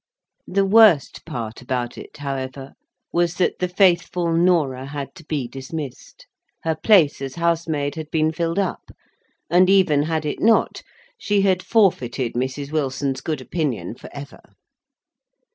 The worst part about it, however, was that the faithful Norah had to be dismissed. Her place as housemaid had been filled up; and, even had it not, she had forfeited Mrs. Wilson's good opinion for ever.